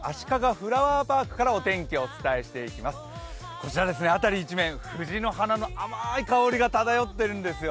こちら、辺り一面藤の花の甘い香りが漂ってるんですよ。